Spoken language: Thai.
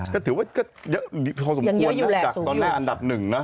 ก็ถือว่าพอสมควรตอนนี้แหล่งอันดับ๑นะ